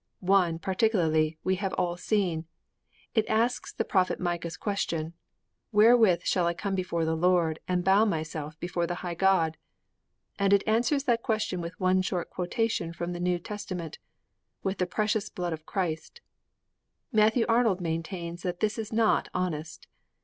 One, particularly, we have all seen. It asks the prophet Micah's question: Wherewith shall I come before the Lord and bow myself before the high God? And it answers that question with one short quotation from the New Testament: With the precious blood of Christ.' Matthew Arnold maintains that this is not honest.